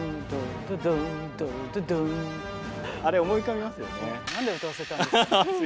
あれ思い浮かびますよね。